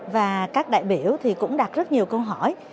và các đại biểu thì cũng đặt rất nhiều câu hỏi